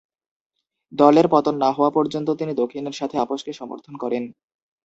দলের পতন না হওয়া পর্যন্ত তিনি দক্ষিণের সাথে আপোসকে সমর্থন করেন।